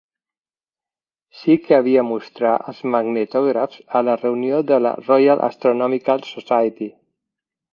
Sí que havia mostrar els magnetògrafs a la reunió de la Royal Astronomical Society.